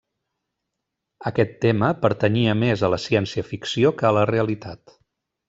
Aquest tema pertanyia més a la ciència-ficció que a la realitat.